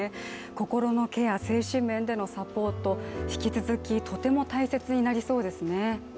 心のケア、精神面でのサポート、引き続きとても大切になりそうですね。